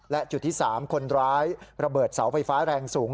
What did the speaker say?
และจุดที่๓คนร้ายระเบิดเสาไฟฟ้าแรงสูง